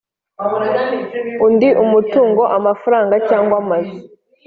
Undi umutungo amafaranga cyangwa amazu